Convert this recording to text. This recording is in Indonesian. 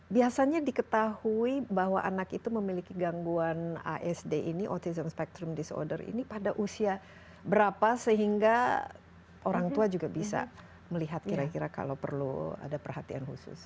biasanya diketahui bahwa anak itu memiliki gangguan asd ini autism spectrum disorder ini pada usia berapa sehingga orang tua juga bisa melihat kira kira kalau perlu ada perhatian khusus